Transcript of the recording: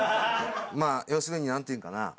まあ要するに何ていうのかな？